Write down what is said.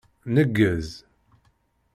Neggez!